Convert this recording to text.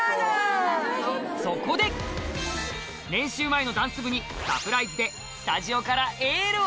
そこで練習前のダンス部にサプライズでスタジオからエールを！